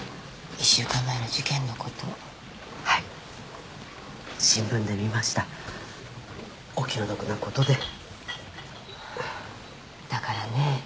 １週間前の事件のことはい新聞で見ましたお気の毒なことでだからね